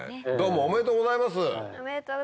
おめでとうございます。